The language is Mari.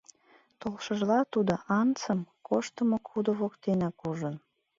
Толшыжла тудо Антсым коштымо кудо воктенак ужын.